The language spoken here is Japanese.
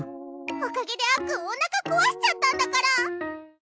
おかげであっくんおなか壊しちゃったんだから！